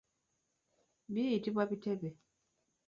Biyitibwa bitebe.